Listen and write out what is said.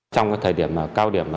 trong thời điểm cao điểm